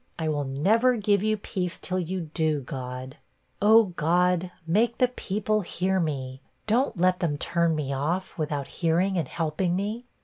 I will never give you peace till you do, God.' 'Oh, God, make the people hear me don't let them turn me off, without hearing and helping me.'